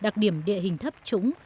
đặc điểm địa hình thấp trũng